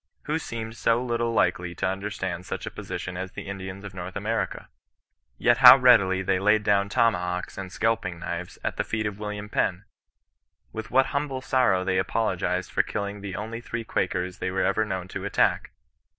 Who seemed so little likely to understand such a position as the Indians of North America? Yet how readily they laid down tomahawks and scalping knives at the feet of William Penn ! With what humble sorrow they apologized for killing the only three Quakers they were ever known to attack